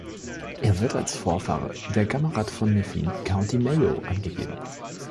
Er wird als Vorfahre der Gamarad von Nephin, County Mayo, angegeben.